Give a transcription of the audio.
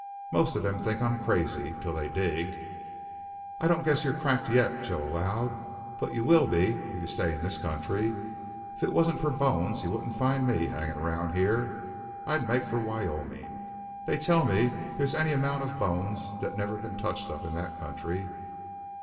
Most of them think I'm crazy till they dig." "I don't guess you're cracked yit," Joe allowed, "but you will be if you stay in this country. If it wasn't for the bones you wouldn't find me hangin' around here I'd make for Wyoming. They tell me there's any amount of bones that's never been touched up in that country."